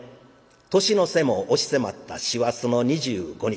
年の瀬も押し迫った師走の二十五日。